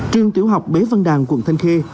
trường tiểu học bế văn đàn quận thanh khê